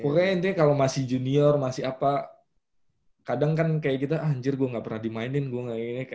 pokoknya intinya kalo masih junior masih apa kadang kan kayak gitu anjir gue ga pernah dimainin gue ga inget